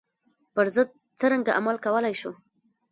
پر ضد څرنګه عمل کولای شم.